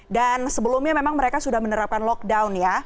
dan sebelumnya memang mereka sudah menerapkan lockdown ya